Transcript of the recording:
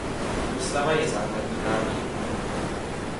Ústava je základní právní dokument.